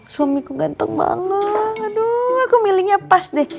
suamiku ganteng banget aduh aku milihnya pas deh